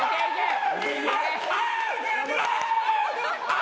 あ！